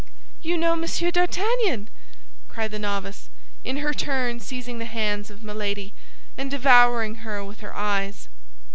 "You know Monsieur d'Artagnan!" cried the novice, in her turn seizing the hands of Milady and devouring her with her eyes.